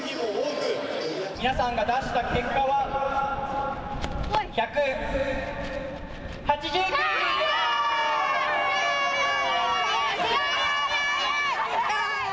皆さんが出した結果は１８９人です。